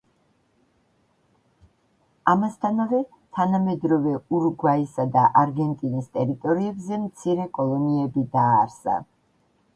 ამასთანავე, თანამედროვე ურუგვაისა და არგენტინის ტერიტორიებზე მცირე კოლონიები დააარსა.